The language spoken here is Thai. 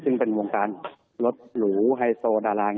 ซึ่งเป็นวงการรถหรูไฮโซดาราง